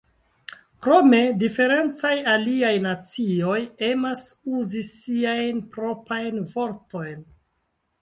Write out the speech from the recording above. Krome, diferencaj aliaj nacioj emas uzi siajn proprajn vortojn.